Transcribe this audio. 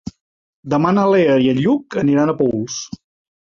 Demà na Lea i en Lluc aniran a Paüls.